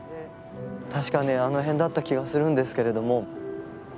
確かねあの辺だった気がするんですけれども。